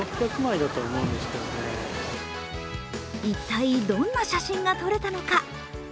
一体、どんな写真が撮れたのか。